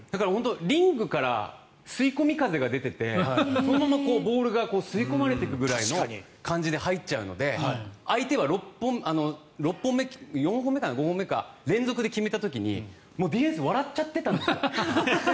リングから吸い込み風が出ててそのままボールが吸い込まれていくぐらいの感じで入っちゃうので相手は４本目か５本目か連続で決めた時にディフェンス笑っちゃってたんです。